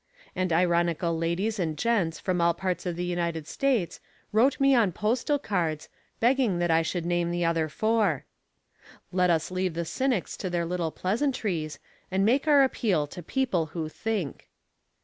And ironical ladies and gents from all parts of the United States wrote me on postal cards, begging that I should name the other four. Let us leave the cynics to their little pleasantries, and make our appeal to people who think.